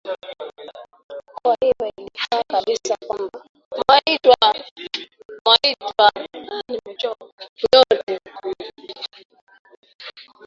kwa hivyo ilifaa kabisa kwamba